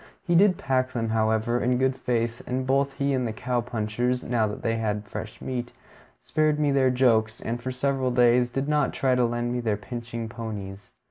He did pack them, however, in good faith; and both he and the cow punchers, now that they had fresh meat, spared me their jokes, and for several days did not try to lend me their pitching ponies.